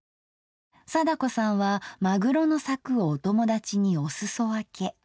貞子さんはまぐろのサクをお友達にお裾分け。